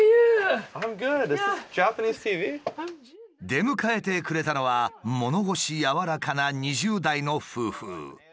出迎えてくれたのは物腰柔らかな２０代の夫婦。